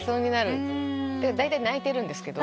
だいたい泣いてるんですけど。